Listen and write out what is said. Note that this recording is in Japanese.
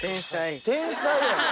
天才やで。